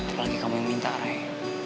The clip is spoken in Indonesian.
apalagi kamu minta rai